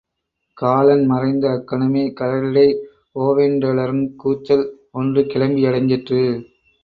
காலன் மறைந்த அக் கணமே கடலிடை ஒவென்றலறுங் கூச்சல் ஒன்று கிளம்பி யடங்கிற்று.